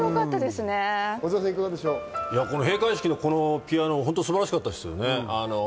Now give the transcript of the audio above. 閉会式のピアノ、ホントにすばらしかったですよね。